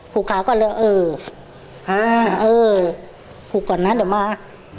ลูกค้าก็เลยเอออ่าเออผูกก่อนนะเดี๋ยวมา